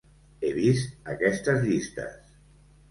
He vist aquestes llistes.